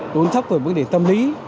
tổn thất về vấn đề tâm lý